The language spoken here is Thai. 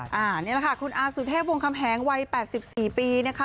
อันนี้แหละค่ะคุณอาสุเทพวงคำแหงวัย๘๔ปีนะคะ